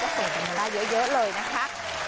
ใครสนใจก็สนกันเวลาเยอะเลยนะคะ